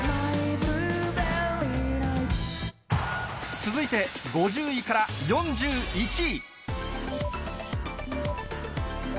続いて５０位から４１位。